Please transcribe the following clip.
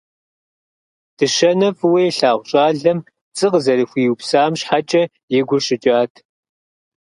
Дыщэнэ фӏыуэ илъагъу щӏалэм пцӏы къызэрыхуиупсам щхьэкӏэ и гур щыкӏат.